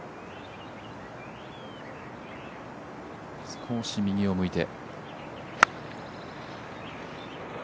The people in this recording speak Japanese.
少し右を向いて。